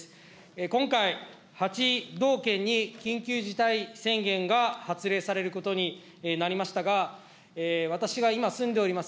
今回、８道県に緊急事態宣言が発令されることになりましたが、私が今住んでおります